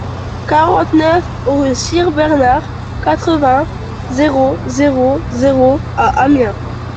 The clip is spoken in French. quarante-neuf rue Sire Bernard, quatre-vingts, zéro zéro zéro à Amiens